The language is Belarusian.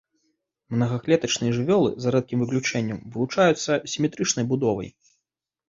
Мнагаклетачныя жывёлы, за рэдкім выключэннем, вылучаюцца сіметрычнай будовай.